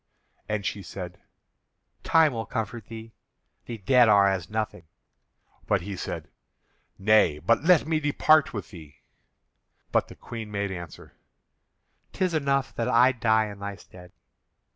And she said: "Time will comfort thee; the dead are as nothing." But he said: "Nay, but let me depart with thee." But the Queen made answer: "'Tis enough that I die in thy stead."